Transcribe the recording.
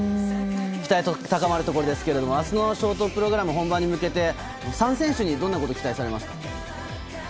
期待が高まるところですけれども、あすのショートプログラム本番に向けて、３選手にどんなことを期待されますか。